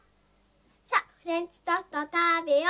さっフレンチトーストをたべよ。